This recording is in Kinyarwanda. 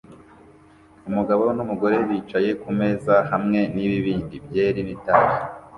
Umugabo numugore bicaye kumeza hamwe nibibindi byeri n'itabi